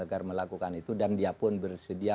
agar melakukan itu dan dia pun bersedia